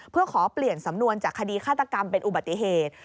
เพื่อขอเปลี่ยนสำนวนจากคดีฆาตกรรมเป็นอุบัติเหตุ